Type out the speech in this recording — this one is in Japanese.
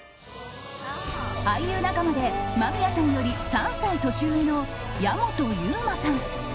俳優仲間で、間宮さんより３歳年上の矢本悠馬さん。